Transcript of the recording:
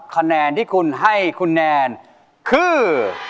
คะแนนที่คุณให้คุณแนนคือ